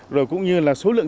rồi cũng như là số lượng